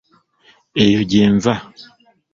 Eyo gye nva.